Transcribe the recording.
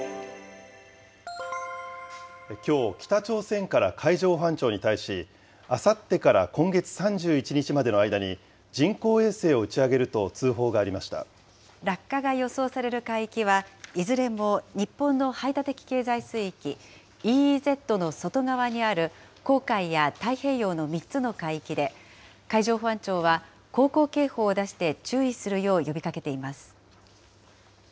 きょう、北朝鮮から海上保安庁に対し、あさってから今月３１日までの間に人工衛星を打ち上げると通報が落下が予想される海域は、いずれも日本の排他的経済水域・ＥＥＺの外側にある黄海や太平洋の３つの海域で、海上保安庁は、航行警報を出して注意するよう呼びかけています。